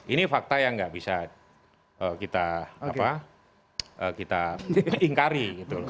ini fakta yang nggak bisa kita ingkari